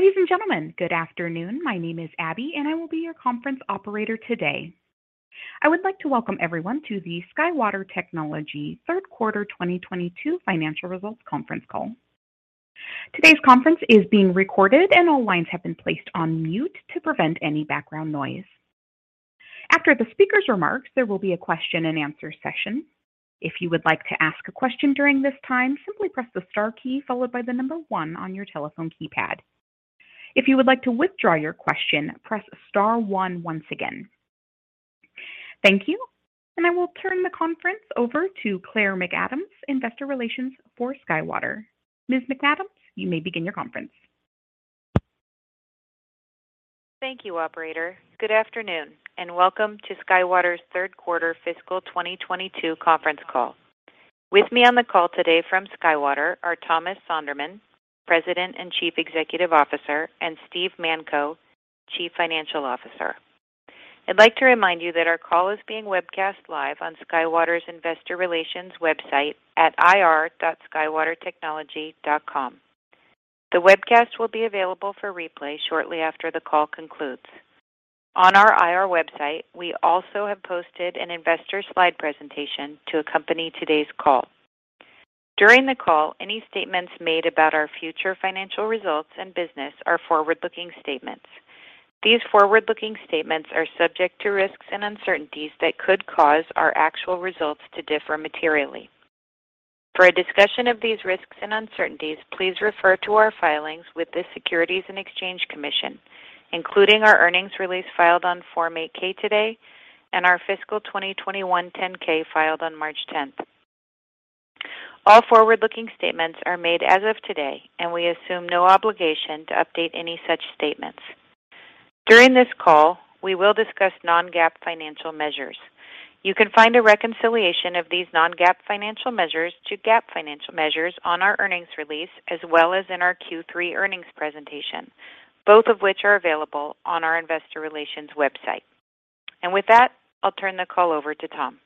Ladies and gentlemen, good afternoon. My name is Abby, and I will be your conference operator today. I would like to welcome everyone to the SkyWater Technology third quarter 2022 financial results conference call. Today's conference is being recorded and all lines have been placed on mute to prevent any background noise. After the speaker's remarks, there will be a question-and-answer session. If you would like to ask a question during this time, simply press the star key followed by the number one on your telephone keypad. If you would like to withdraw your question, press star one once again. Thank you, and I will turn the conference over to Claire McAdams, Investor Relations for SkyWater. Ms. McAdams, you may begin your conference. Thank you, operator. Good afternoon, and welcome to SkyWater's third quarter fiscal 2022 conference call. With me on the call today from SkyWater are Thomas Sonderman, President and Chief Executive Officer, and Steve Manko, Chief Financial Officer. I'd like to remind you that our call is being webcast live on SkyWater's Investor Relations website at ir.skywatertechnology.com. The webcast will be available for replay shortly after the call concludes. On our IR website, we also have posted an investor slide presentation to accompany today's call. During the call, any statements made about our future financial results and business are forward-looking statements. These forward-looking statements are subject to risks and uncertainties that could cause our actual results to differ materially. For a discussion of these risks and uncertainties, please refer to our filings with the Securities and Exchange Commission, including our earnings release filed on Form 8-K today and our fiscal 2021 10-K filed on March 10th. All forward-looking statements are made as of today, and we assume no obligation to update any such statements. During this call, we will discuss non-GAAP financial measures. You can find a reconciliation of these non-GAAP financial measures to GAAP financial measures on our earnings release, as well as in our Q3 earnings presentation, both of which are available on our Investor Relations website. With that, I'll turn the call over to Tom.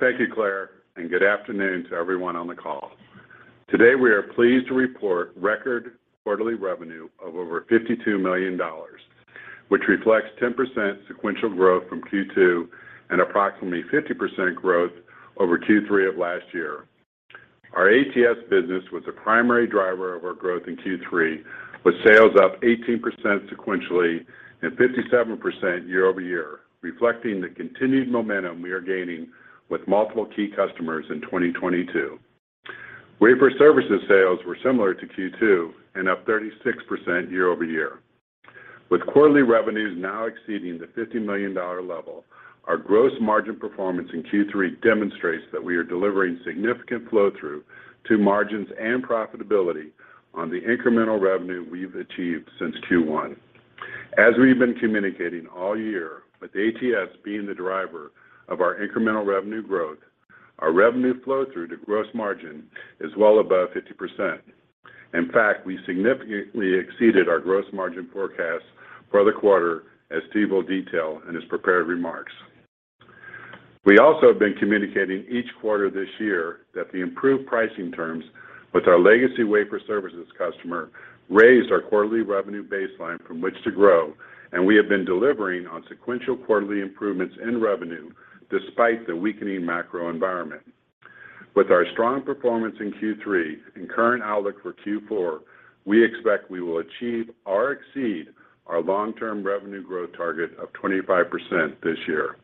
Thank you, Claire, and good afternoon to everyone on the call. Today, we are pleased to report record quarterly revenue of over $52 million, which reflects 10% sequential growth from Q2 and approximately 50% growth over Q3 of last year. Our ATS business was the primary driver of our growth in Q3, with sales up 18% sequentially and 57% year-over-year, reflecting the continued momentum we are gaining with multiple key customers in 2022. Wafer services sales were similar to Q2 and up 36% year-over-year. With quarterly revenues now exceeding the $50 million level, our gross margin performance in Q3 demonstrates that we are delivering significant flow-through to margins and profitability on the incremental revenue we've achieved since Q1. As we've been communicating all year, with ATS being the driver of our incremental revenue growth, our revenue flow through to gross margin is well above 50%. In fact, we significantly exceeded our gross margin forecast for the quarter, as Steve will detail in his prepared remarks. We also have been communicating each quarter this year that the improved pricing terms with our legacy wafer services customer raised our quarterly revenue baseline from which to grow, and we have been delivering on sequential quarterly improvements in revenue despite the weakening macro environment. With our strong performance in Q3 and current outlook for Q4, we expect we will achieve or exceed our long-term revenue growth target of 25% this year.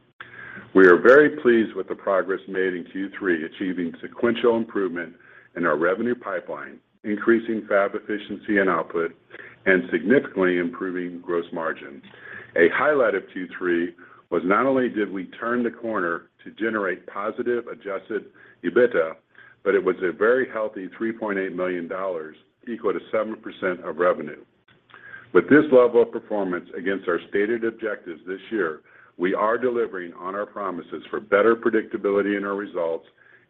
We are very pleased with the progress made in Q3, achieving sequential improvement in our revenue pipeline, increasing fab efficiency and output, and significantly improving gross margin. A highlight of Q3 was not only did we turn the corner to generate positive adjusted EBITDA, but it was a very healthy $3.8 million, equal to 7% of revenue. With this level of performance against our stated objectives this year, we are delivering on our promises for better predictability in our results,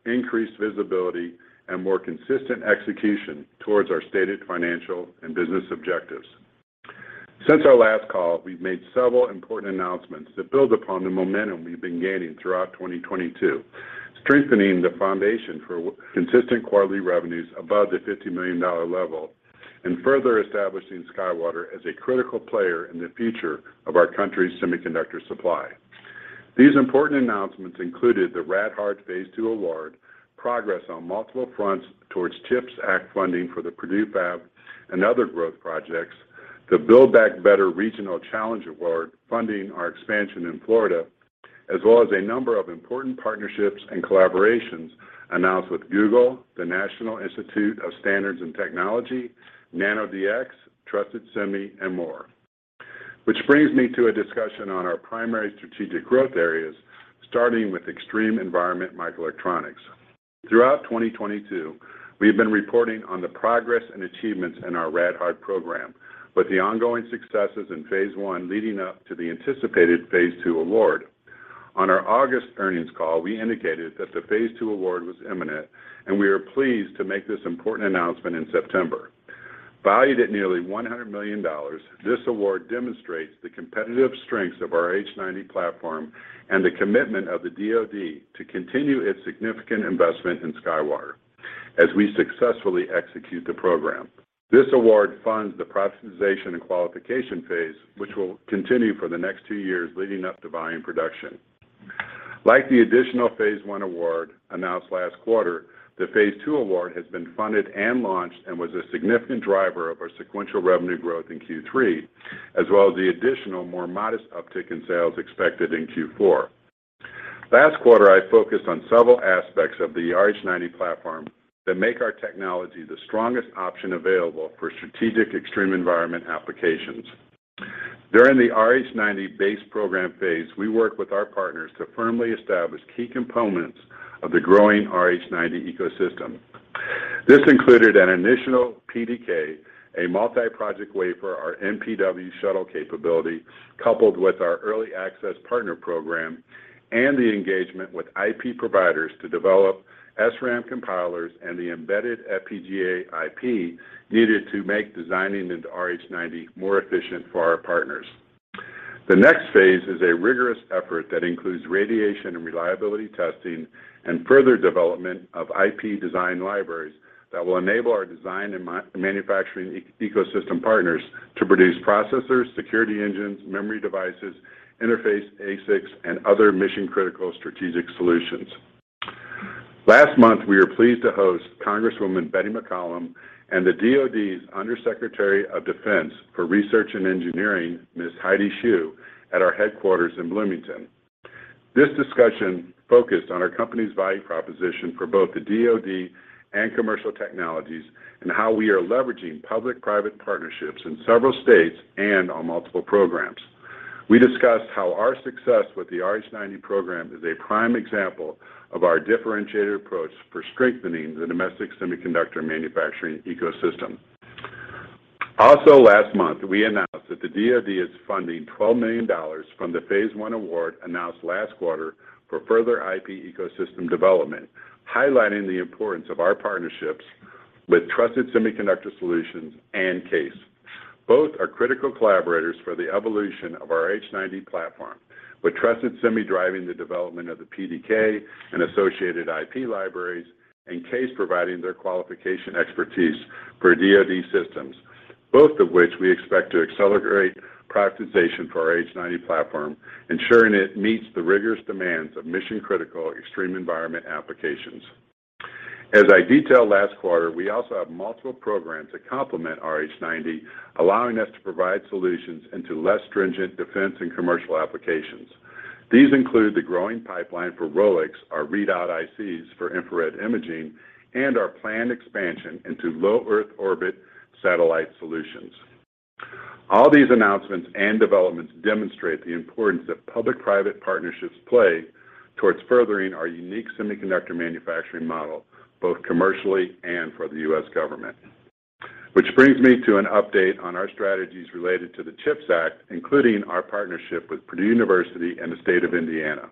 increased visibility, and more consistent execution towards our stated financial and business objectives. Since our last call, we've made several important announcements that build upon the momentum we've been gaining throughout 2022, strengthening the foundation for consistent quarterly revenues above the $50 million level and further establishing SkyWater as a critical player in the future of our country's semiconductor supply. These important announcements included the RadHard phase II award, progress on multiple fronts towards CHIPS Act funding for the Purdue fab and other growth projects, the Build Back Better Regional Challenge award, funding our expansion in Florida, as well as a number of important partnerships and collaborations announced with Google, the National Institute of Standards and Technology, NanoDx, Trusted Semi, and more. Which brings me to a discussion on our primary strategic growth areas, starting with extreme environment microelectronics. Throughout 2022, we have been reporting on the progress and achievements in our RadHard program, with the ongoing successes in phase I leading up to the anticipated phase II award. On our August earnings call, we indicated that the phase II award was imminent, and we are pleased to make this important announcement in September. Valued at nearly $100 million, this award demonstrates the competitive strengths of our RH90 platform and the commitment of the DoD to continue its significant investment in SkyWater. As we successfully execute the program. This award funds the productization and qualification phase, which will continue for the next two years leading up to volume production. Like the additional phase I award announced last quarter, the phase II award has been funded and launched and was a significant driver of our sequential revenue growth in Q3, as well as the additional more modest uptick in sales expected in Q4. Last quarter, I focused on several aspects of the RH90 platform that make our technology the strongest option available for strategic extreme environment applications. During the RH90 base program phase, we worked with our partners to firmly establish key components of the growing RH90 ecosystem. This included an initial PDK, a multi-project wafer, our MPW shuttle capability, coupled with our early access partner program and the engagement with IP providers to develop SRAM compilers and the embedded FPGA IP needed to make designing into RH90 more efficient for our partners. The next phase is a rigorous effort that includes radiation and reliability testing and further development of IP design libraries that will enable our design and manufacturing ecosystem partners to produce processors, security engines, memory devices, interface ASICs, and other mission-critical strategic solutions. Last month, we were pleased to host Congresswoman Betty McCollum and the DoD's Under Secretary of Defense for Research and Engineering, Ms. Heidi Shyu, at our headquarters in Bloomington. This discussion focused on our company's value proposition for both the DoD and commercial technologies and how we are leveraging public-private partnerships in several states and on multiple programs. We discussed how our success with the RH90 program is a prime example of our differentiated approach for strengthening the domestic semiconductor manufacturing ecosystem. Also last month, we announced that the DoD is funding $12 million from the phase I award announced last quarter for further IP ecosystem development, highlighting the importance of our partnerships with Trusted Semiconductor Solutions and CAES. Both are critical collaborators for the evolution of our RH90 platform, with Trusted Semi driving the development of the PDK and associated IP libraries, and CAES providing their qualification expertise for DoD systems, both of which we expect to accelerate productization for our RH90 platform, ensuring it meets the rigorous demands of mission-critical extreme environment applications. As I detailed last quarter, we also have multiple programs that complement our RH90, allowing us to provide solutions into less stringent defense and commercial applications. These include the growing pipeline for ROIC, our readout ICs for infrared imaging, and our planned expansion into low Earth orbit satellite solutions. All these announcements and developments demonstrate the importance that public-private partnerships play towards furthering our unique semiconductor manufacturing model, both commercially and for the U.S. government. Which brings me to an update on our strategies related to the CHIPS Act, including our partnership with Purdue University and the state of Indiana.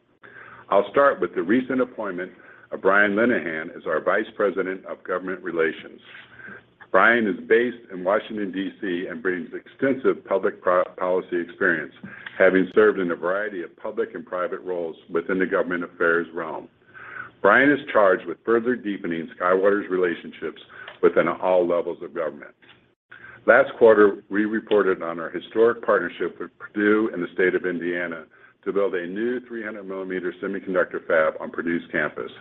I'll start with the recent appointment of Brian Lenihan as our Vice President of Government Relations. Brian is based in Washington, D.C., and brings extensive public policy experience, having served in a variety of public and private roles within the government affairs realm. Brian is charged with further deepening SkyWater's relationships within all levels of government. Last quarter, we reported on our historic partnership with Purdue and the state of Indiana to build a new 300 millimeter semiconductor fab on Purdue's campus.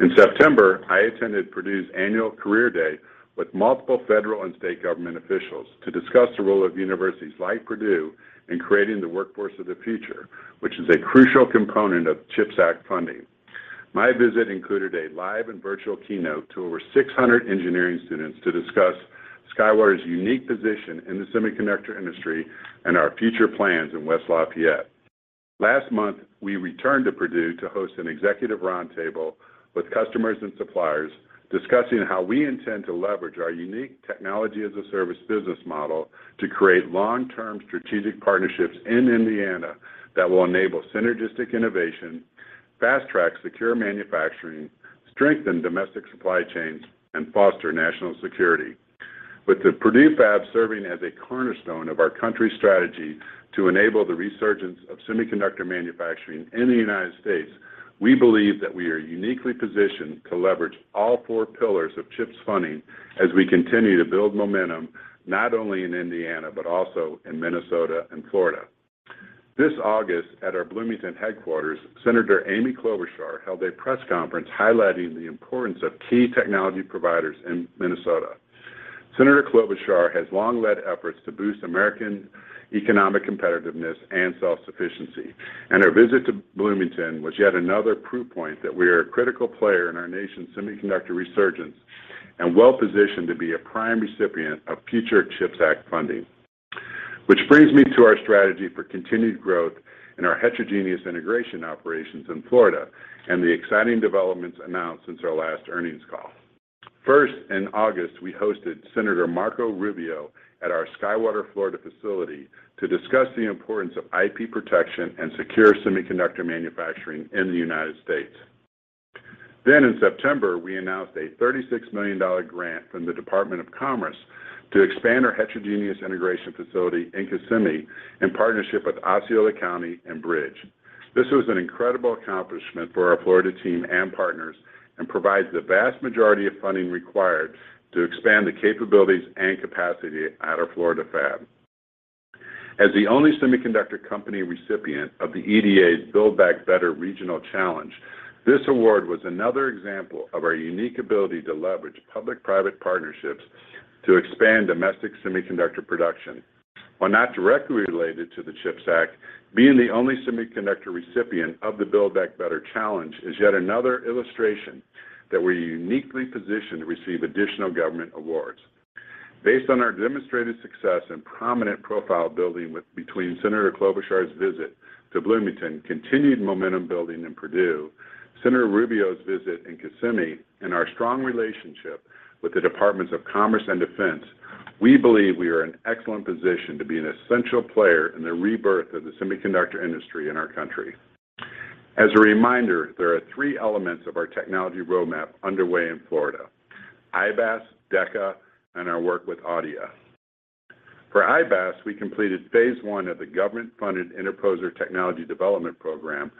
In September, I attended Purdue's annual Career Day with multiple federal and state government officials to discuss the role of universities like Purdue in creating the workforce of the future, which is a crucial component of CHIPS Act funding. My visit included a live and virtual keynote to over 600 engineering students to discuss SkyWater's unique position in the semiconductor industry and our future plans in West Lafayette. Last month, we returned to Purdue to host an executive roundtable with customers and suppliers, discussing how we intend to leverage our unique technology as a service business model to create long-term strategic partnerships in Indiana that will enable synergistic innovation, fast-track secure manufacturing, strengthen domestic supply chains, and foster national security. With the Purdue fab serving as a cornerstone of our country's strategy to enable the resurgence of semiconductor manufacturing in the United States, we believe that we are uniquely positioned to leverage all four pillars of CHIPS funding as we continue to build momentum, not only in Indiana, but also in Minnesota and Florida. This August, at our Bloomington headquarters, Senator Amy Klobuchar held a press conference highlighting the importance of key technology providers in Minnesota. Senator Klobuchar has long led efforts to boost American economic competitiveness and self-sufficiency, and her visit to Bloomington was yet another proof point that we are a critical player in our nation's semiconductor resurgence and well-positioned to be a prime recipient of future CHIPS Act funding. Which brings me to our strategy for continued growth in our heterogeneous integration operations in Florida and the exciting developments announced since our last earnings call. First, in August, we hosted Senator Marco Rubio at our SkyWater Florida facility to discuss the importance of IP protection and secure semiconductor manufacturing in the United States. In September, we announced a $36 million grant from the Department of Commerce to expand our heterogeneous integration facility in Kissimmee in partnership with Osceola County and BRIDG. This was an incredible accomplishment for our Florida team and partners, and provides the vast majority of funding required to expand the capabilities and capacity at our Florida fab. As the only semiconductor company recipient of the EDA's Build Back Better Regional Challenge, this award was another example of our unique ability to leverage public-private partnerships to expand domestic semiconductor production. While not directly related to the CHIPS Act, being the only semiconductor recipient of the Build Back Better Challenge is yet another illustration that we're uniquely positioned to receive additional government awards. Based on our demonstrated success and prominent profile building with bipartisan Senator Klobuchar's visit to Bloomington, continued momentum building in Purdue, Senator Rubio's visit in Kissimmee, and our strong relationship with the Departments of Commerce and Defense, we believe we are in excellent position to be an essential player in the rebirth of the semiconductor industry in our country. As a reminder, there are three elements of our technology roadmap underway in Florida: IBAS, Deca, and our work with Adeia. For IBAS, we completed phase I of the government-funded interposer technology development program,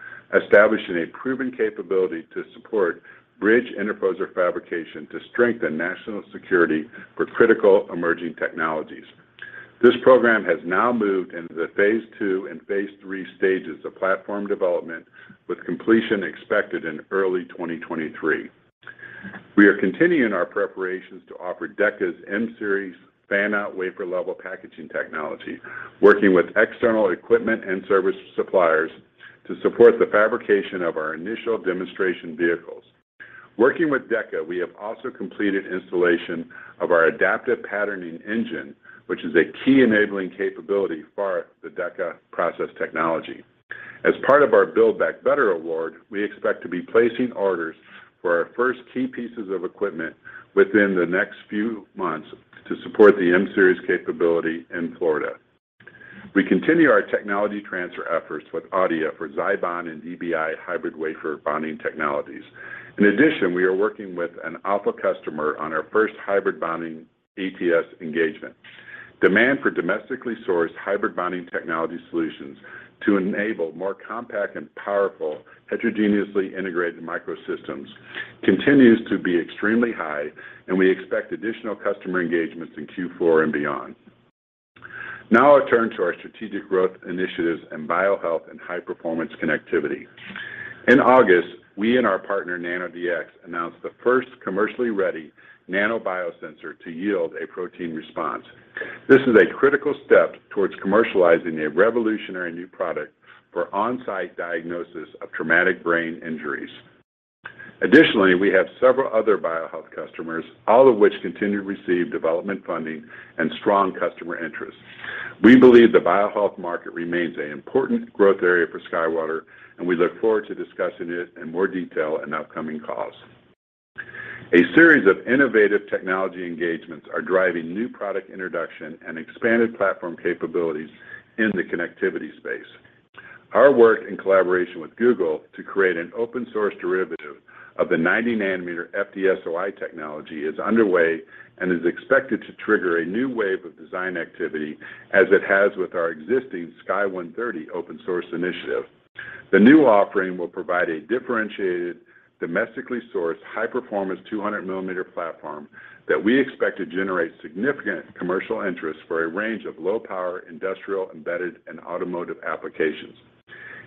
establishing a proven capability to support bridge interposer fabrication to strengthen national security for critical emerging technologies. This program has now moved into the phase II and phase III stages of platform development, with completion expected in early 2023. We are continuing our preparations to offer Deca's M-Series fan-out wafer level packaging technology, working with external equipment and service suppliers to support the fabrication of our initial demonstration vehicles. Working with Deca, we have also completed installation of our adaptive patterning engine, which is a key enabling capability for the Deca process technology. As part of our Build Back Better award, we expect to be placing orders for our first key pieces of equipment within the next few months to support the M-Series capability in Florida. We continue our technology transfer efforts with Adeia for ZiBond and DBI hybrid wafer bonding technologies. In addition, we are working with an alpha customer on our first hybrid bonding ATS engagement. Demand for domestically sourced hybrid bonding technology solutions to enable more compact and powerful heterogeneously integrated microsystems continues to be extremely high, and we expect additional customer engagements in Q4 and beyond. Now I turn to our strategic growth initiatives in biohealth and high-performance connectivity. In August, we and our partner, NanoDx, announced the first commercially ready nano biosensor to yield a protein response. This is a critical step towards commercializing a revolutionary new product for on-site diagnosis of traumatic brain injuries. Additionally, we have several other biohealth customers, all of which continue to receive development funding and strong customer interest. We believe the biohealth market remains an important growth area for SkyWater, and we look forward to discussing it in more detail in upcoming calls. A series of innovative technology engagements are driving new product introduction and expanded platform capabilities in the connectivity space. Our work in collaboration with Google to create an open-source derivative of the 90 nanometer FDSOI technology is underway and is expected to trigger a new wave of design activity as it has with our existing SKY130 open-source initiative. The new offering will provide a differentiated, domestically sourced, high-performance 200 millimeter platform that we expect to generate significant commercial interest for a range of low-power, industrial, embedded, and automotive applications.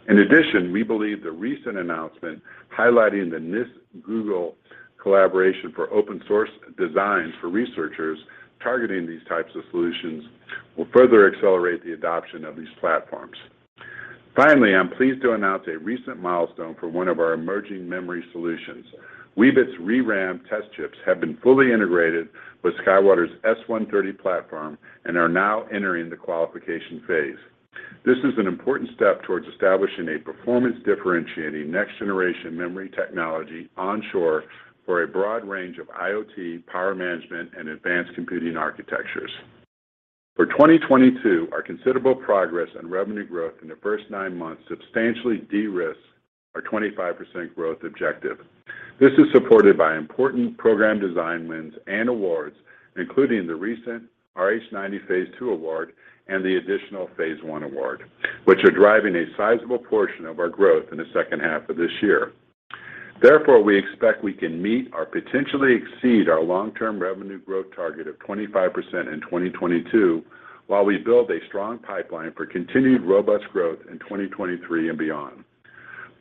In addition, we believe the recent announcement highlighting the NIST-Google collaboration for open-source design for researchers targeting these types of solutions will further accelerate the adoption of these platforms. Finally, I'm pleased to announce a recent milestone for one of our emerging memory solutions. Weebit ReRAM test chips have been fully integrated with SkyWater's SKY130 platform and are now entering the qualification phase. This is an important step towards establishing a performance differentiating next generation memory technology onshore for a broad range of IoT, power management, and advanced computing architectures. For 2022, our considerable progress and revenue growth in the first nine months substantially de-risks our 25% growth objective. This is supported by important program design wins and awards, including the recent RH90 phase II award and the additional phase I award, which are driving a sizable portion of our growth in the second half of this year. Therefore, we expect we can meet or potentially exceed our long-term revenue growth target of 25% in 2022 while we build a strong pipeline for continued robust growth in 2023 and beyond.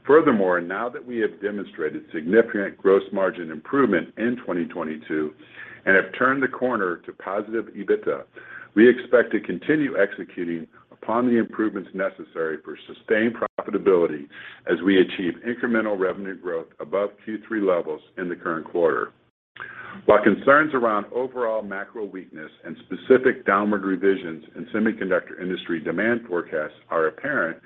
Furthermore, now that we have demonstrated significant gross margin improvement in 2022 and have turned the corner to positive EBITDA, we expect to continue executing upon the improvements necessary for sustained profitability as we achieve incremental revenue growth above Q3 levels in the current quarter. While concerns around overall macro weakness and specific downward revisions in semiconductor industry demand forecasts are apparent,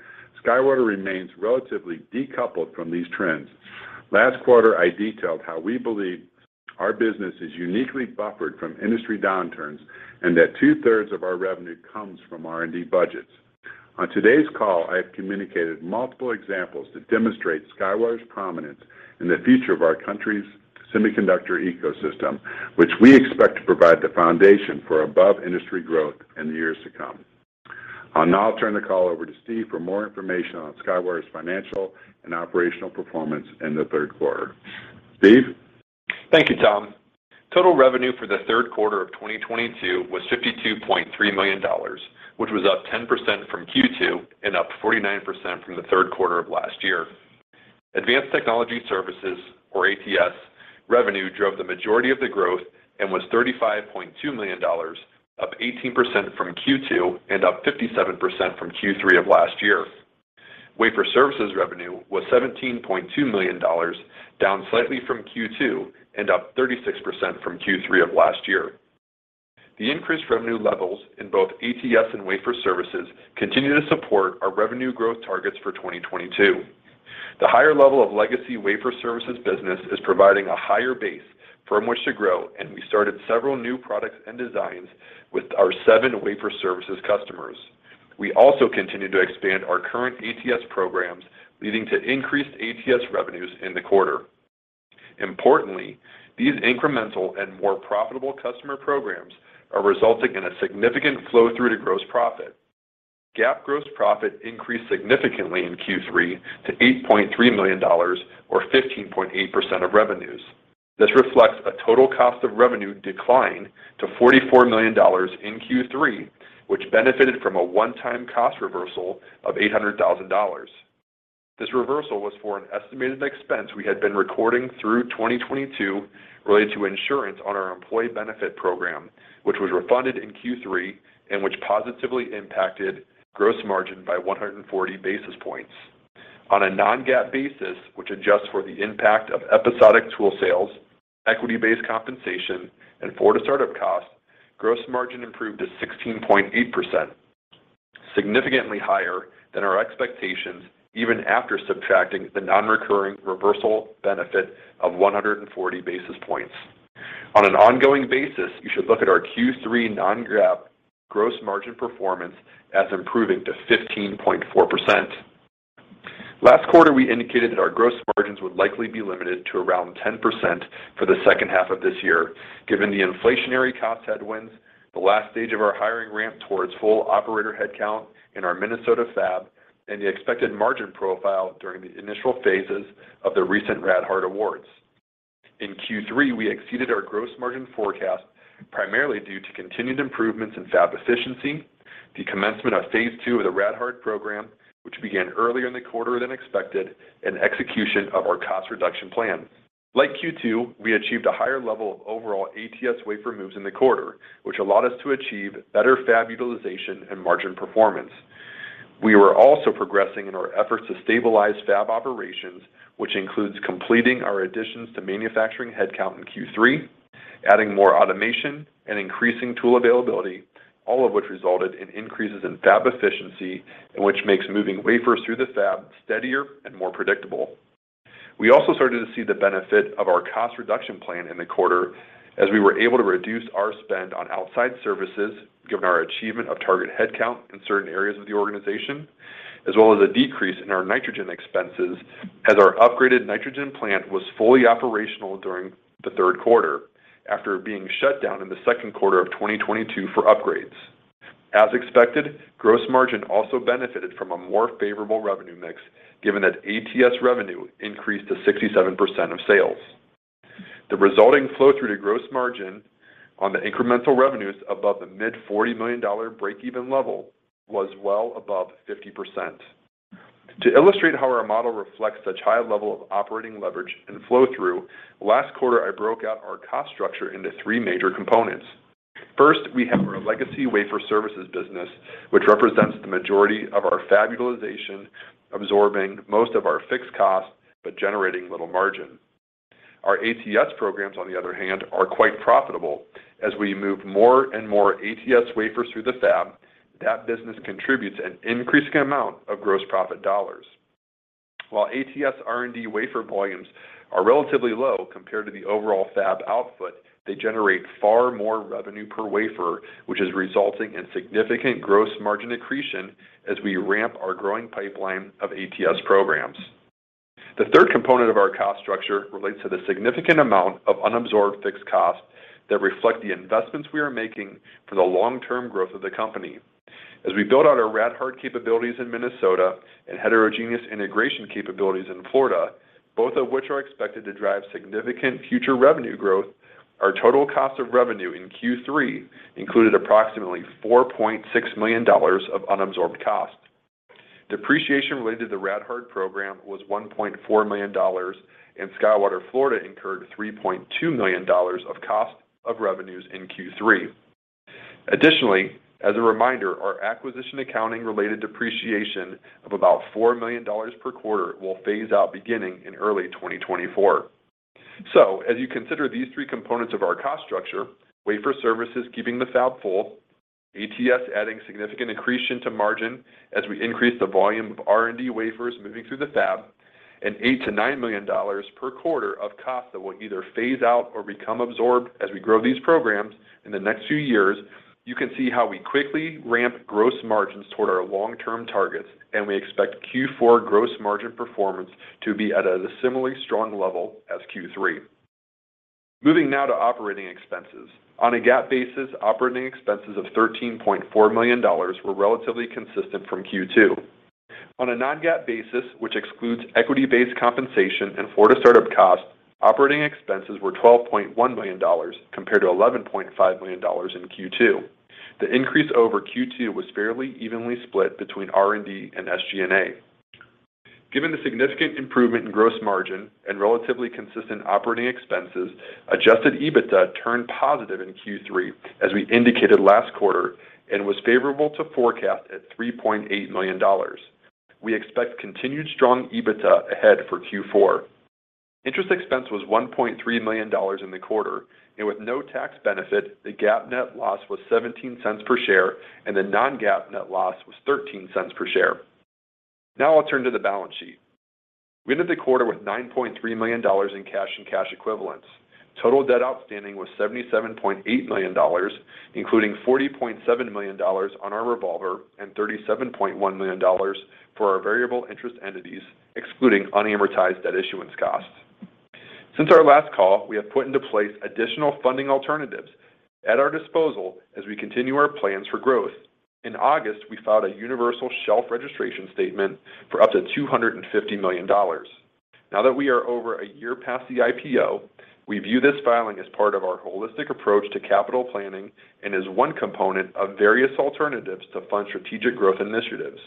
SkyWater remains relatively decoupled from these trends. Last quarter, I detailed how we believe our business is uniquely buffered from industry downturns and that two-thirds of our revenue comes from R&D budgets. On today's call, I have communicated multiple examples that demonstrate SkyWater's prominence in the future of our country's semiconductor ecosystem, which we expect to provide the foundation for above-industry growth in the years to come. I'll now turn the call over to Steve for more information on SkyWater's financial and operational performance in the third quarter. Steve? Thank you, Tom. Total revenue for the third quarter of 2022 was $52.3 million, which was up 10% from Q2 and up 49% from the third quarter of last year. Advanced Technology Services, or ATS, revenue drove the majority of the growth and was $35.2 million, up 18% from Q2 and up 57% from Q3 of last year. Wafer Services revenue was $17.2 million, down slightly from Q2 and up 36% from Q3 of last year. The increased revenue levels in both ATS and Wafer Services continue to support our revenue growth targets for 2022. The higher level of legacy Wafer Services business is providing a higher base from which to grow, and we started several new products and designs with our seven Wafer Services customers. We also continue to expand our current ATS programs, leading to increased ATS revenues in the quarter. Importantly, these incremental and more profitable customer programs are resulting in a significant flow-through to gross profit. GAAP gross profit increased significantly in Q3 to $8.3 million, or 15.8% of revenues. This reflects a total cost of revenue decline to $44 million in Q3, which benefited from a one-time cost reversal of $800,000. This reversal was for an estimated expense we had been recording through 2022 related to insurance on our employee benefit program, which was refunded in Q3 and which positively impacted gross margin by 140 basis points. On a non-GAAP basis, which adjusts for the impact of episodic tool sales, equity-based compensation, and forward to startup costs, gross margin improved to 16.8%, significantly higher than our expectations even after subtracting the non-recurring reversal benefit of 140 basis points. On an ongoing basis, you should look at our Q3 non-GAAP gross margin performance as improving to 15.4%. Last quarter, we indicated that our gross margins would likely be limited to around 10% for the second half of this year, given the inflationary cost headwinds, the last stage of our hiring ramp towards full operator headcount in our Minnesota fab, and the expected margin profile during the initial phases of the recent RadHard awards. In Q3, we exceeded our gross margin forecast primarily due to continued improvements in fab efficiency, the commencement of phase II of the RadHard program, which began earlier in the quarter than expected, and execution of our cost reduction plan. Like Q2, we achieved a higher level of overall ATS wafer moves in the quarter, which allowed us to achieve better fab utilization and margin performance. We were also progressing in our efforts to stabilize fab operations, which includes completing our additions to manufacturing headcount in Q3, adding more automation, and increasing tool availability, all of which resulted in increases in fab efficiency and which makes moving wafers through the fab steadier and more predictable. We also started to see the benefit of our cost reduction plan in the quarter as we were able to reduce our spend on outside services given our achievement of target headcount in certain areas of the organization, as well as a decrease in our nitrogen expenses as our upgraded nitrogen plant was fully operational during the third quarter after being shut down in the second quarter of 2022 for upgrades. As expected, gross margin also benefited from a more favorable revenue mix given that ATS revenue increased to 67% of sales. The resulting flow through to gross margin on the incremental revenues above the mid-$40 million break-even level was well above 50%. To illustrate how our model reflects such high level of operating leverage and flow-through, last quarter, I broke out our cost structure into three major components. First, we have our legacy Wafer Services business, which represents the majority of our fab utilization, absorbing most of our fixed costs, but generating little margin. Our ATS programs, on the other hand, are quite profitable. As we move more and more ATS wafers through the fab, that business contributes an increasing amount of gross profit dollars. While ATS R&D wafer volumes are relatively low compared to the overall fab output, they generate far more revenue per wafer, which is resulting in significant gross margin accretion as we ramp our growing pipeline of ATS programs. The third component of our cost structure relates to the significant amount of unabsorbed fixed costs that reflect the investments we are making for the long-term growth of the company. As we build out our RadHard capabilities in Minnesota and heterogeneous integration capabilities in Florida, both of which are expected to drive significant future revenue growth, our total cost of revenue in Q3 included approximately $4.6 million of unabsorbed costs. Depreciation related to the RadHard program was $1.4 million, and SkyWater Florida incurred $3.2 million of cost of revenues in Q3. Additionally, as a reminder, our acquisition accounting-related depreciation of about $4 million per quarter will phase out beginning in early 2024. As you consider these three components of our cost structure, Wafer Services keeping the fab full, ATS adding significant accretion to margin as we increase the volume of R&D wafers moving through the fab, and $8 million-$9 million per quarter of cost that will either phase out or become absorbed as we grow these programs in the next few years, you can see how we quickly ramp gross margins toward our long-term targets, and we expect Q4 gross margin performance to be at a similarly strong level as Q3. Moving now to operating expenses. On a GAAP basis, operating expenses of $13.4 million were relatively consistent from Q2. On a non-GAAP basis, which excludes equity-based compensation and Florida startup costs, operating expenses were $12.1 million compared to $11.5 million in Q2. The increase over Q2 was fairly evenly split between R&D and SG&A. Given the significant improvement in gross margin and relatively consistent operating expenses, adjusted EBITDA turned positive in Q3 as we indicated last quarter and was favorable to forecast at $3.8 million. We expect continued strong EBITDA ahead for Q4. Interest expense was $1.3 million in the quarter, and with no tax benefit, the GAAP net loss was $0.17 per share, and the non-GAAP net loss was $0.13 per share. Now I'll turn to the balance sheet. We ended the quarter with $9.3 million in cash and cash equivalents. Total debt outstanding was $77.8 million, including $40.7 million on our revolver and $37.1 million for our variable interest entities, excluding unamortized debt issuance costs. Since our last call, we have put into place additional funding alternatives at our disposal as we continue our plans for growth. In August, we filed a universal shelf registration statement for up to $250 million. Now that we are over a year past the IPO, we view this filing as part of our holistic approach to capital planning and as one component of various alternatives to fund strategic growth initiatives.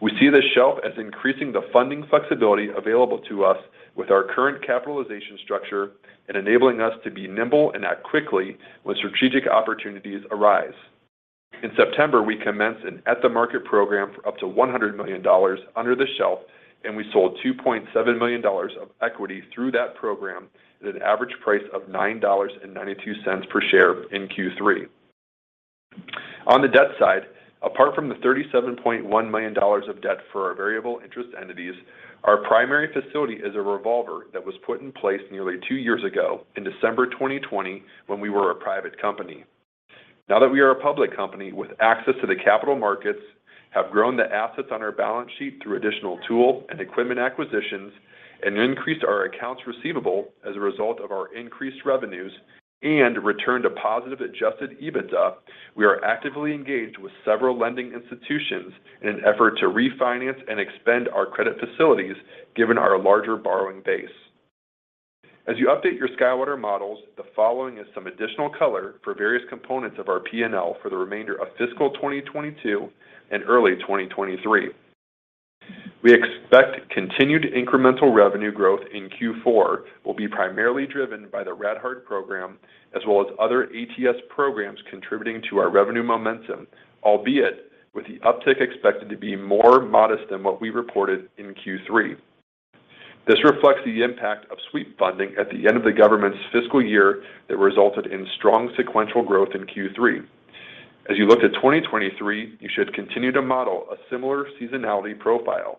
We see this shelf as increasing the funding flexibility available to us with our current capitalization structure and enabling us to be nimble and act quickly when strategic opportunities arise. In September, we commenced an at-the-market program for up to $100 million under the shelf, and we sold $2.7 million of equity through that program at an average price of $9.92 per share in Q3. On the debt side, apart from the $37.1 million of debt for our variable interest entities, our primary facility is a revolver that was put in place nearly two years ago in December 2020 when we were a private company. Now that we are a public company with access to the capital markets, have grown the assets on our balance sheet through additional tool and equipment acquisitions, and increased our accounts receivable as a result of our increased revenues and returned to positive adjusted EBITDA, we are actively engaged with several lending institutions in an effort to refinance and expand our credit facilities given our larger borrowing base. As you update your SkyWater models, the following is some additional color for various components of our P&L for the remainder of fiscal 2022 and early 2023. We expect continued incremental revenue growth in Q4 will be primarily driven by the RadHard program as well as other ATS programs contributing to our revenue momentum, albeit with the uptick expected to be more modest than what we reported in Q3. This reflects the impact of sweep funding at the end of the government's fiscal year that resulted in strong sequential growth in Q3. As you look to 2023, you should continue to model a similar seasonality profile.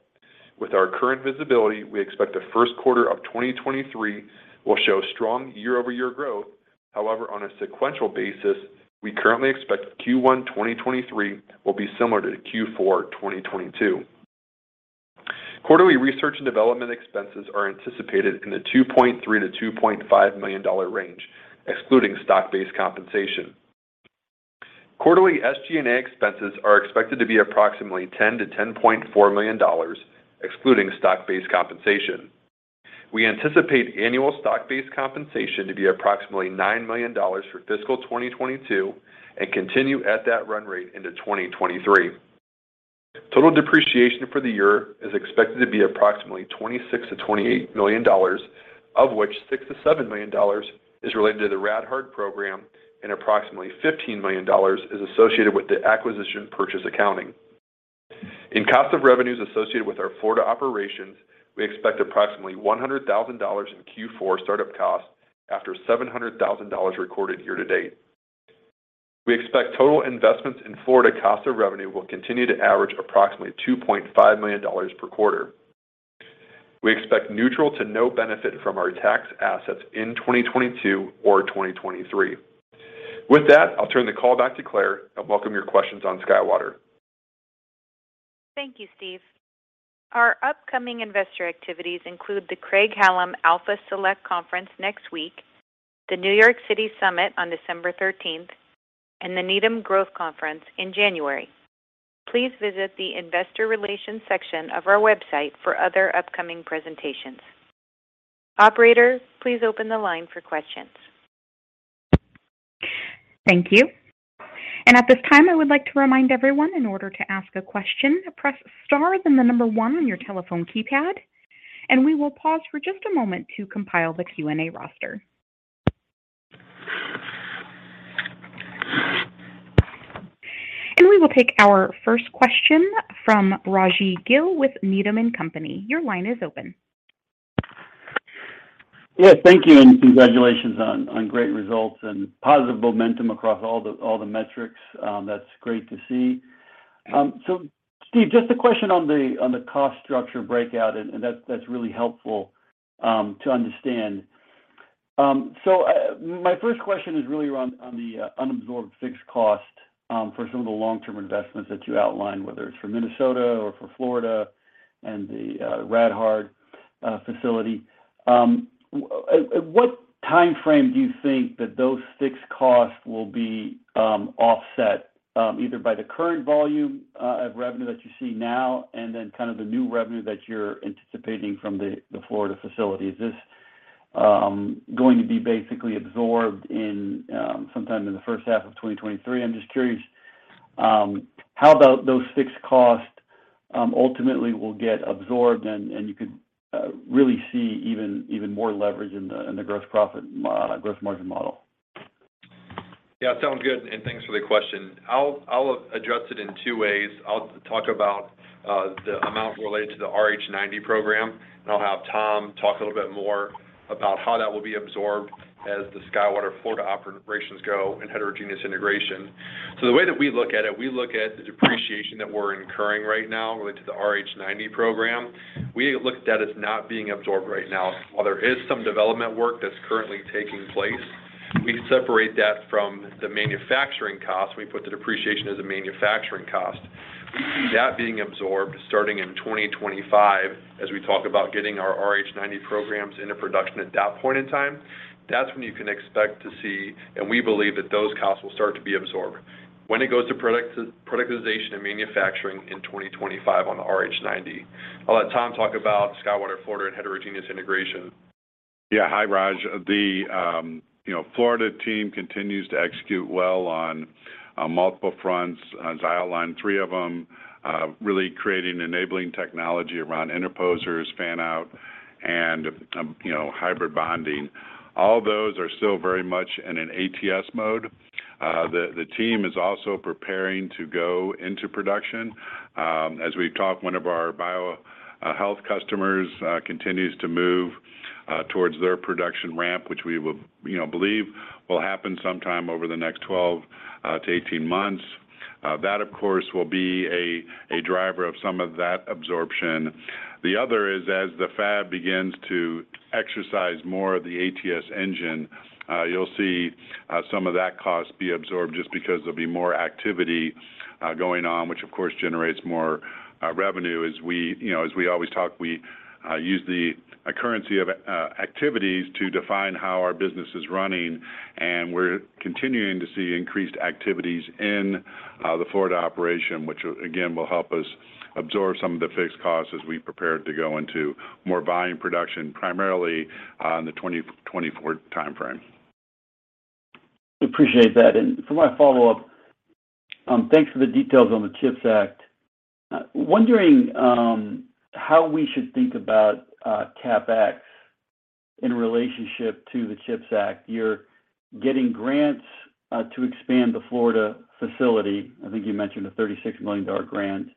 With our current visibility, we expect the first quarter of 2023 will show strong year-over-year growth. However, on a sequential basis, we currently expect Q1 2023 will be similar to Q4 2022. Quarterly research and development expenses are anticipated in the $2.3 million-$2.5 million range, excluding stock-based compensation. Quarterly SG&A expenses are expected to be approximately $10 million-$10.4 million, excluding stock-based compensation. We anticipate annual stock-based compensation to be approximately $9 million for fiscal 2022 and continue at that run rate into 2023. Total depreciation for the year is expected to be approximately $26 million-$28 million, of which $6 million-$7 million is related to the RadHard program, and approximately $15 million is associated with the acquisition purchase accounting. In cost of revenues associated with our Florida operations, we expect approximately $100,000 in Q4 startup costs after $700,000 recorded year to date. We expect total investments in Florida cost of revenue will continue to average approximately $2.5 million per quarter. We expect neutral to no benefit from our tax assets in 2022 or 2023. With that, I'll turn the call back to Claire and welcome your questions on SkyWater. Thank you, Steve. Our upcoming investor activities include the Craig-Hallum Alpha Select Conference next week, the New York City Summit on December 13th, and the Needham Growth Conference in January. Please visit the Investor Relations section of our website for other upcoming presentations. Operator, please open the line for questions. Thank you. At this time, I would like to remind everyone in order to ask a question, press star, then the number one on your telephone keypad, and we will pause for just a moment to compile the Q&A roster. We will take our first question from Raj Gill with Needham & Company. Your line is open. Yes, thank you, and congratulations on great results and positive momentum across all the metrics. That's great to see. Steve, just a question on the cost structure breakout, and that's really helpful to understand. My first question is really around on the unabsorbed fixed cost for some of the long-term investments that you outlined, whether it's for Minnesota or for Florida and the RadHard facility. What timeframe do you think that those fixed costs will be offset either by the current volume of revenue that you see now and then kind of the new revenue that you're anticipating from the Florida facility? Is this going to be basically absorbed in sometime in the first half of 2023? I'm just curious how about those fixed costs ultimately will get absorbed and you could really see even more leverage in the gross margin model. Sounds good, and thanks for the question. I'll address it in two ways. I'll talk about the amount related to the RH90 program, and I'll have Tom talk a little bit more about how that will be absorbed as the SkyWater Florida operations go in heterogeneous integration. The way that we look at it, we look at the depreciation that we're incurring right now related to the RH90 program. We look at that as not being absorbed right now. While there is some development work that's currently taking place, we separate that from the manufacturing cost. We put the depreciation as a manufacturing cost. We see that being absorbed starting in 2025 as we talk about getting our RH90 programs into production at that point in time. That's when you can expect to see. We believe that those costs will start to be absorbed when it goes to productization and manufacturing in 2025 on the RH90. I'll let Tom talk about SkyWater Florida and heterogeneous integration. Yeah. Hi, Raj. You know, the Florida team continues to execute well on multiple fronts. Ziad lined three of them, really creating enabling technology around interposers, fan-out, and you know, hybrid bonding. All those are still very much in an ATS mode. The team is also preparing to go into production. As we've talked, one of our bio health customers continues to move towards their production ramp, which we will you know believe will happen sometime over the next 12-18 months. That, of course, will be a driver of some of that absorption. The other is as the fab begins to exercise more of the ATS engine, you'll see some of that cost be absorbed just because there'll be more activity going on, which of course generates more revenue. As we always talk, we use the currency of activities to define how our business is running, and we're continuing to see increased activities in the Florida operation, which again will help us absorb some of the fixed costs as we prepare to go into more volume production, primarily in the 2024 timeframe. Appreciate that. For my follow-up, thanks for the details on the CHIPS Act. Wondering how we should think about CapEx in relationship to the CHIPS Act. You're getting grants to expand the Florida facility. I think you mentioned a $36 million grant.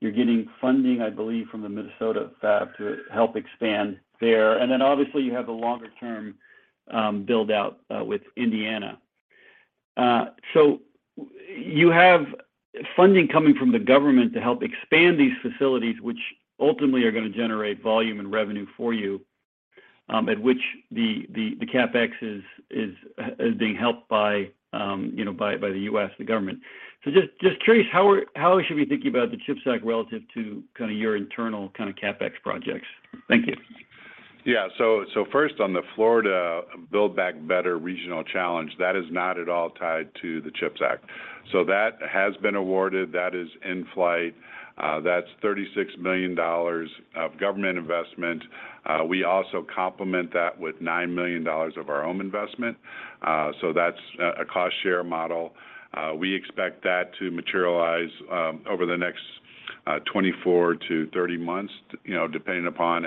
You're getting funding, I believe, from the Minnesota fab to help expand there. Obviously, you have the longer-term build-out with Indiana. You have funding coming from the government to help expand these facilities, which ultimately are gonna generate volume and revenue for you, at which the CapEx is being helped by, you know, by the U.S. government. Just curious, how should we be thinking about the CHIPS Act relative to kind of your internal kind of CapEx projects? Thank you. First on the Florida Build Back Better Regional Challenge, that is not at all tied to the CHIPS Act. That has been awarded. That is in-flight. That's $36 million of government investment. We also complement that with $9 million of our own investment. That's a cost share model. We expect that to materialize over the next 24-30 months, you know, depending upon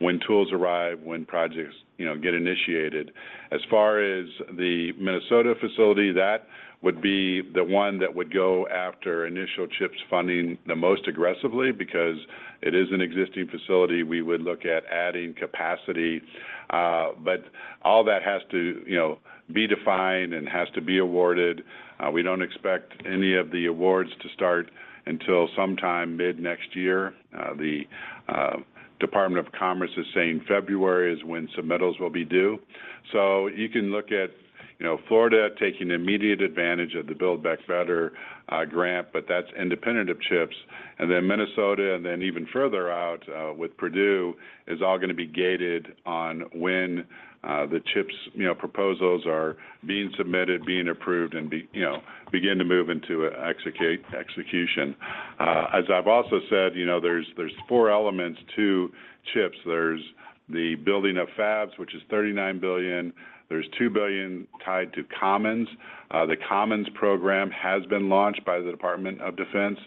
when tools arrive, when projects, you know, get initiated. As far as the Minnesota facility, that would be the one that would go after initial CHIPS funding the most aggressively because it is an existing facility. We would look at adding capacity. All that has to, you know, be defined and has to be awarded. We don't expect any of the awards to start until sometime mid-next year. The Department of Commerce is saying February is when submittals will be due. You can look at, you know, Florida taking immediate advantage of the Build Back Better grant, but that's independent of CHIPS. Then Minnesota and then even further out with Purdue is all gonna be gated on when the CHIPS, you know, proposals are being submitted, being approved and begin to move into execution. As I've also said, you know, there's four elements to CHIPS. There's the building of fabs, which is $39 billion. There's $2 billion tied to commons. The commons program has been launched by the Department of Defense.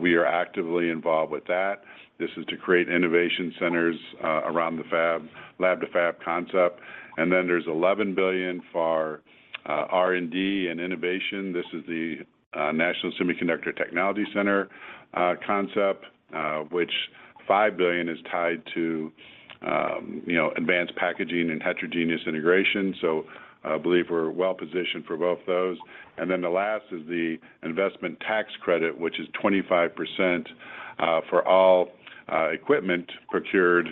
We are actively involved with that. This is to create innovation centers around the fab lab to fab concept. There's $11 billion for R&D and innovation. This is the National Semiconductor Technology Center concept, which $5 billion is tied to, you know, advanced packaging and heterogeneous integration. I believe we're well positioned for both of those. The last is the investment tax credit, which is 25% for all equipment procured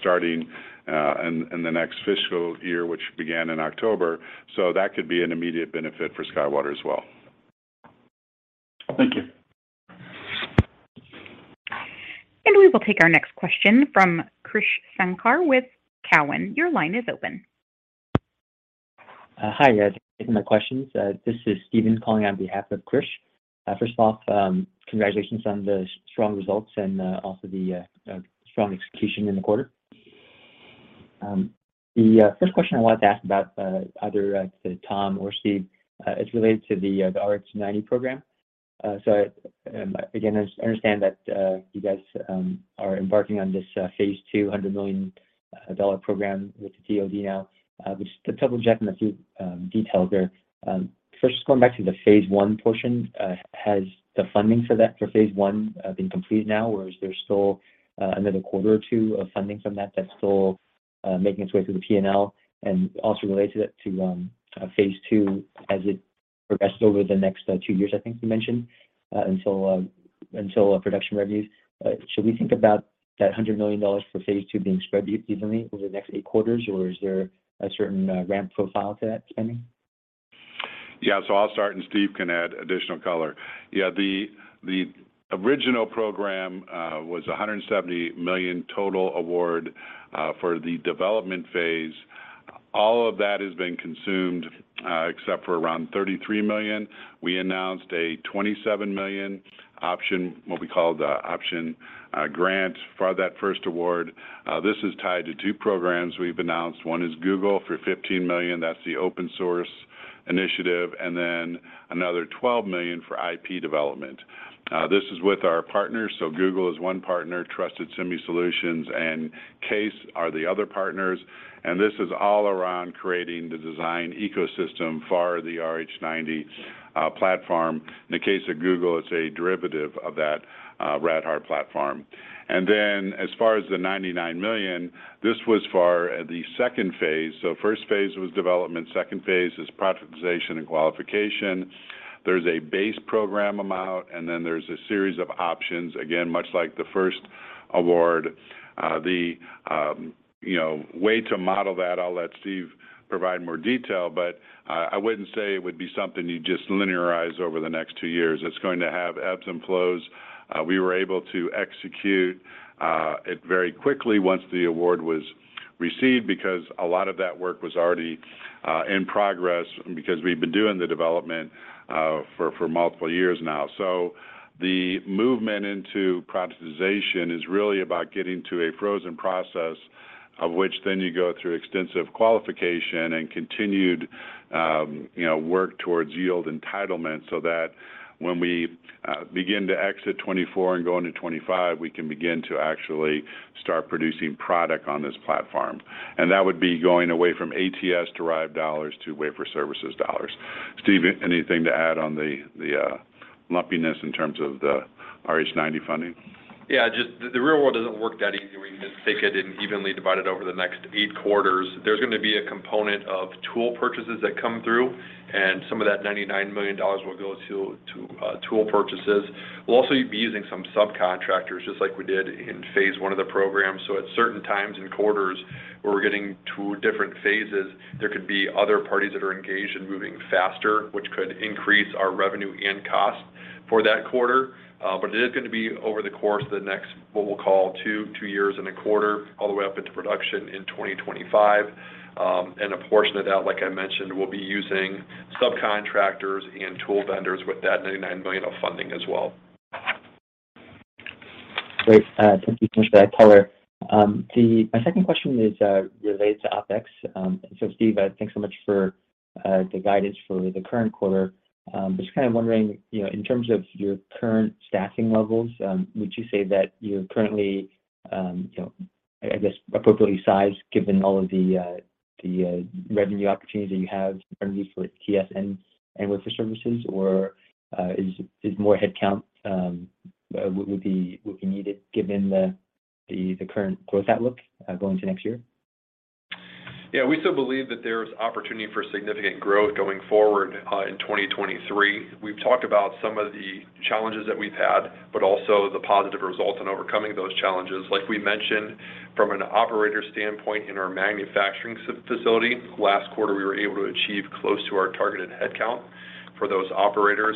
starting in the next fiscal year, which began in October. That could be an immediate benefit for SkyWater as well. Thank you. We will take our next question from Krish Sankar with Cowen. Your line is open. Hi guys. Thank you for my questions. This is Steven calling on behalf of Krish. First off, congratulations on the strong results and also the strong execution in the quarter. The first question I wanted to ask about, either to Tom or Steve, is related to the RH90 program. Again, I understand that you guys are embarking on this phase II $200 million program with the DoD now, but just to double-check on a few details there. First, just going back to the phase I portion, has the funding for that, for phase I, been completed now, or is there still another quarter or two of funding from that that's still making its way through the P&L? Also related to that, phase II as it progresses over the next two years, I think you mentioned, until production revenues. Should we think about that $100 million for phase II being spread evenly over the next eight quarters, or is there a certain ramp profile to that spending? Yeah. I'll start, and Steve can add additional color. Yeah, the original program was $170 million total award for the development phase. All of that has been consumed except for around $33 million. We announced a $27 million option, what we call the option grant for that first award. This is tied to two programs we've announced. One is Google for $15 million. That's the open source initiative, and then another $12 million for IP development. This is with our partners. Google is one partner, Trusted Semiconductor Solutions and CAES are the other partners. This is all around creating the design ecosystem for the RH90 platform. In the case of Google, it's a derivative of that RadHard platform. As far as the $99 million, this was for the second phase. First phase was development. Second phase is productization and qualification. There's a base program amount, and then there's a series of options, again, much like the first award. The you know way to model that, I'll let Steve provide more detail, but I wouldn't say it would be something you just linearize over the next two years. It's going to have ebbs and flows. We were able to execute it very quickly once the award was received because a lot of that work was already in progress because we've been doing the development for multiple years now. The movement into productization is really about getting to a frozen process of which then you go through extensive qualification and continued, you know, work towards yield entitlement so that when we begin to exit 2024 and go into 2025, we can begin to actually start producing product on this platform. That would be going away from ATS-derived dollars to wafer services dollars. Steve, anything to add on the lumpiness in terms of the RH90 funding? Yeah, just the real world doesn't work that easy where you can just take it and evenly divide it over the next eight quarters. There's going to be a component of tool purchases that come through, and some of that $99 million will go to tool purchases. We'll also be using some subcontractors, just like we did in phase I of the program. At certain times and quarters where we're getting to different phases, there could be other parties that are engaged in moving faster, which could increase our revenue and cost for that quarter. But it is going to be over the course of the next, what we'll call two years and a quarter, all the way up into production in 2025. A portion of that, like I mentioned, we'll be using subcontractors and tool vendors with that $99 million of funding as well. Great. Thank you so much for that color. My second question is related to OpEx. Steve, thanks so much for the guidance for the current quarter. Just kind of wondering, you know, in terms of your current staffing levels, would you say that you're currently, you know, I guess appropriately sized given all of the revenue opportunities that you have in front of you for TSN and Wafer Services, or is more headcount would be needed given the current growth outlook going to next year? Yeah, we still believe that there's opportunity for significant growth going forward in 2023. We've talked about some of the challenges that we've had, but also the positive results in overcoming those challenges. Like we mentioned, from an operator standpoint in our manufacturing facility, last quarter, we were able to achieve close to our targeted headcount for those operators.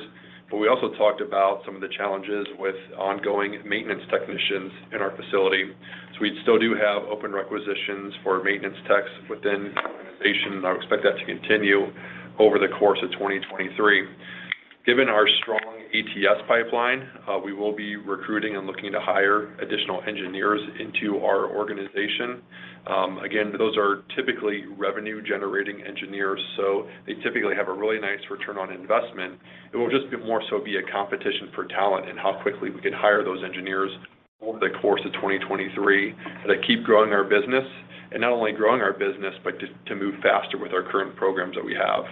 We also talked about some of the challenges with ongoing maintenance technicians in our facility. We still do have open requisitions for maintenance techs within our organization. I would expect that to continue over the course of 2023. Given our strong ATS pipeline, we will be recruiting and looking to hire additional engineers into our organization. Again, those are typically revenue-generating engineers, so they typically have a really nice return on investment. It will just be more of a competition for talent and how quickly we can hire those engineers over the course of 2023 to keep growing our business, and not only growing our business, but to move faster with our current programs that we have.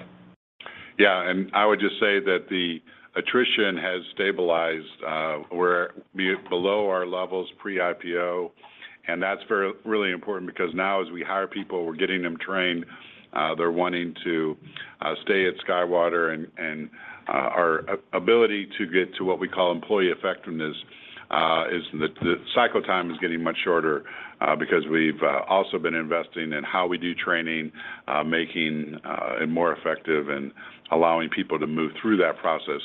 Yeah. I would just say that the attrition has stabilized. We're below our levels pre-IPO. That's very really important because now as we hire people, we're getting them trained, they're wanting to stay at SkyWater and our ability to get to what we call employee effectiveness is the cycle time is getting much shorter because we've also been investing in how we do training, making it more effective and allowing people to move through that process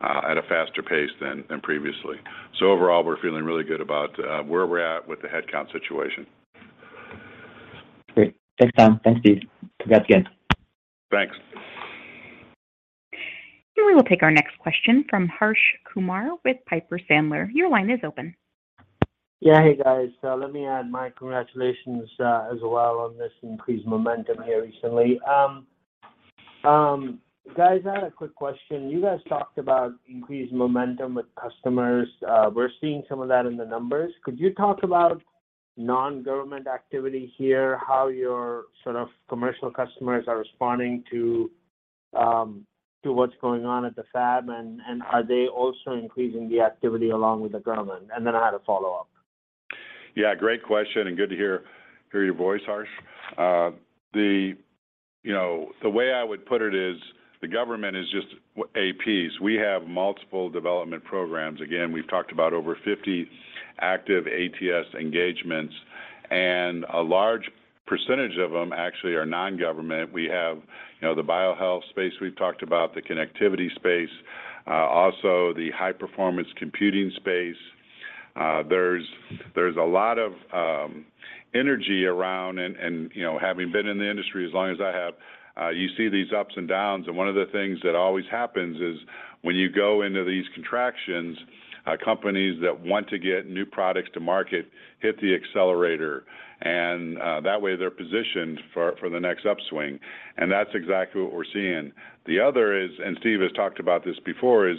at a faster pace than previously. Overall, we're feeling really good about where we're at with the headcount situation. Great. Thanks, Tom. Thanks, Steve. Congrats again. Thanks. We will take our next question from Harsh Kumar with Piper Sandler. Your line is open. Yeah. Hey, guys. Let me add my congratulations as well on this increased momentum here recently. Guys, I had a quick question. You guys talked about increased momentum with customers. We're seeing some of that in the numbers. Could you talk about non-government activity here, how your sort of commercial customers are responding to what's going on at the fab, and are they also increasing the activity along with the government? I had a follow-up. Yeah, great question, and good to hear your voice, Harsh. You know, the way I would put it is the government is just a piece. We have multiple development programs. Again, we've talked about over 50 active ATS engagements, and a large percentage of them actually are non-government. We have, you know, the bio health space we've talked about, the connectivity space, also the high-performance computing space. There's a lot of energy around and, you know, having been in the industry as long as I have, you see these ups and downs, and one of the things that always happens is when you go into these contractions, companies that want to get new products to market hit the accelerator, and that way they're positioned for the next upswing. That's exactly what we're seeing. The other is, and Steve has talked about this before, is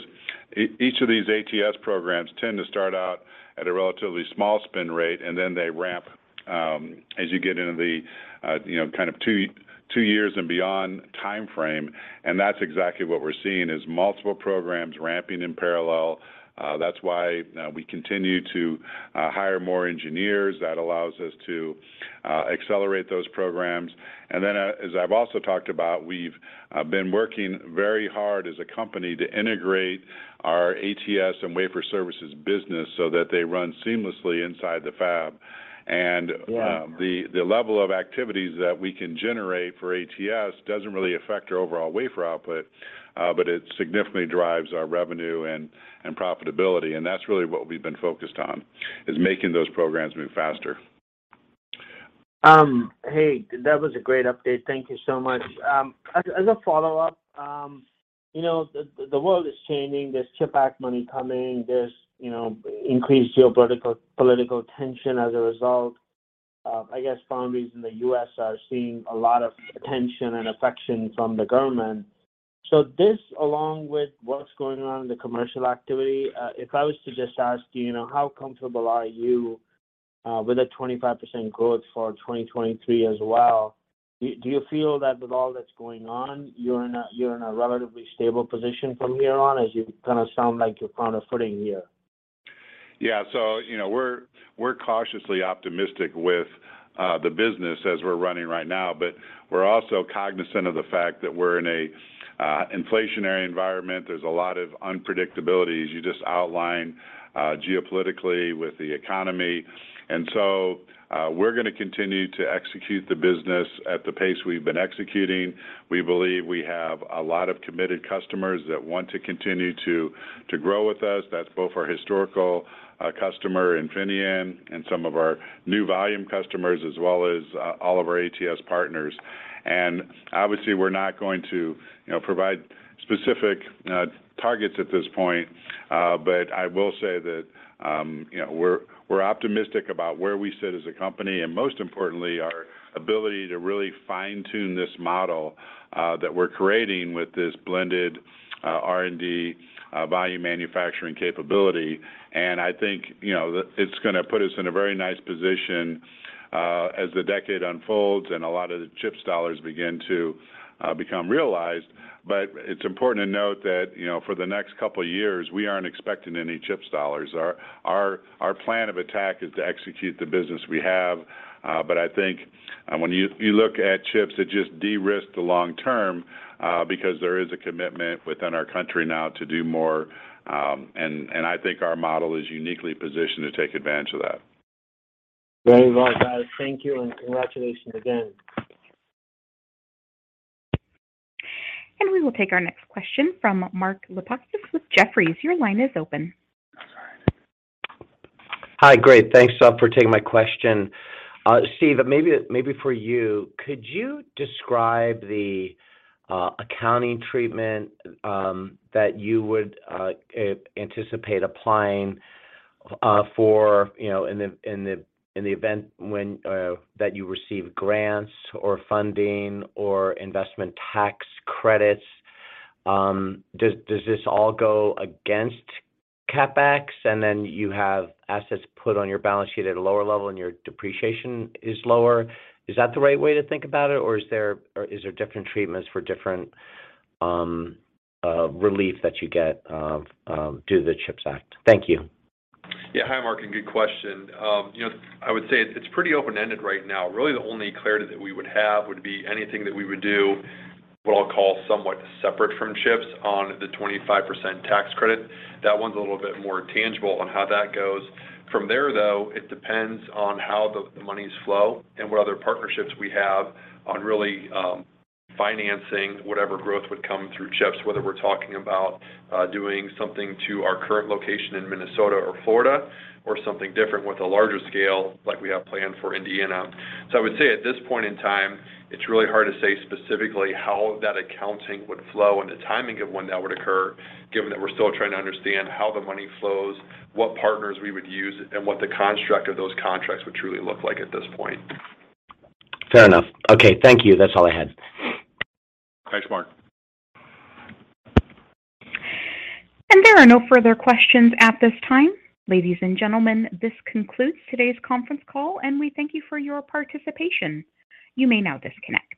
each of these ATS programs tend to start out at a relatively small spin rate, and then they ramp, as you get into the, you know, kind of two years and beyond timeframe. That's exactly what we're seeing is multiple programs ramping in parallel. That's why we continue to hire more engineers. That allows us to accelerate those programs. Then as I've also talked about, we've been working very hard as a company to integrate our ATS and wafer services business so that they run seamlessly inside the fab. Yeah. The level of activities that we can generate for ATS doesn't really affect our overall wafer output, but it significantly drives our revenue and profitability, and that's really what we've been focused on, is making those programs move faster. Hey, that was a great update. Thank you so much. As a follow-up, you know, the world is changing. There's CHIPS Act money coming. There's, you know, increased geopolitical tension as a result of, I guess, foundries in the U.S. are seeing a lot of attention and affection from the government. This, along with what's going on in the commercial activity, if I was to just ask you know, how comfortable are you with a 25% growth for 2023 as well? Do you feel that with all that's going on, you're in a relatively stable position from here on, as you kind of sound like you're found a footing here? You know, we're cautiously optimistic with the business as we're running right now, but we're also cognizant of the fact that we're in an inflationary environment. There's a lot of unpredictability, as you just outlined, geopolitically with the economy. We're gonna continue to execute the business at the pace we've been executing. We believe we have a lot of committed customers that want to continue to grow with us. That's both our historical customer, Infineon, and some of our new volume customers, as well as all of our ATS partners. Obviously, we're not going to, you know, provide specific targets at this point. I will say that, you know, we're optimistic about where we sit as a company, and most importantly, our ability to really fine-tune this model that we're creating with this blended R&D volume manufacturing capability. I think, you know, it's gonna put us in a very nice position as the decade unfolds and a lot of the CHIPS dollars begin to become realized. It's important to note that, you know, for the next couple of years, we aren't expecting any CHIPS dollars. Our plan of attack is to execute the business we have. I think, when you look at CHIPS, it just de-risks the long term because there is a commitment within our country now to do more. I think our model is uniquely positioned to take advantage of that. Very well, guys. Thank you, and congratulations again. We will take our next question from Mark Lipacis with Jefferies. Your line is open. Hi. Great. Thanks for taking my question. Steve, maybe for you, could you describe the accounting treatment that you would anticipate applying for, you know, in the event when that you receive grants or funding or investment tax credits? Does this all go against CapEx, and then you have assets put on your balance sheet at a lower level, and your depreciation is lower? Is that the right way to think about it, or is there different treatments for different relief that you get through the CHIPS Act? Thank you. Yeah. Hi, Mark, and good question. You know, I would say it's pretty open-ended right now. Really, the only clarity that we would have would be anything that we would do, what I'll call somewhat separate from CHIPS on the 25% tax credit. That one's a little bit more tangible on how that goes. From there, though, it depends on how the moneys flow and what other partnerships we have on really, financing whatever growth would come through CHIPS, whether we're talking about doing something to our current location in Minnesota or Florida or something different with a larger scale, like we have planned for Indiana. I would say at this point in time, it's really hard to say specifically how that accounting would flow and the timing of when that would occur, given that we're still trying to understand how the money flows, what partners we would use, and what the construct of those contracts would truly look like at this point. Fair enough. Okay, thank you. That's all I had. Thanks, Mark. There are no further questions at this time. Ladies and gentlemen, this concludes today's conference call, and we thank you for your participation. You may now disconnect.